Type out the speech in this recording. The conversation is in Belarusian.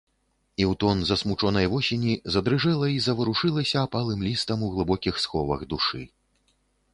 І ў тон засмучонай восені задрыжэла і заварушылася апалым лістам у глыбокіх сховах душы.